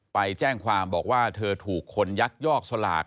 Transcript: ไปแจ้งความบอกว่าเธอถูกคนยักยอกสลาก